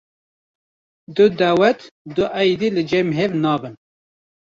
Du dawet du eydê li cem hev nabin.